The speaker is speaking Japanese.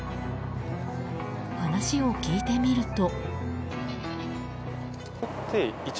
話を聞いてみると。